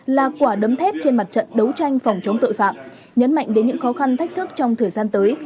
là quả đấm thép trên mặt trận đấu tranh phòng chống tội phạm nhấn mạnh đến những khó khăn thách thức trong thời gian tới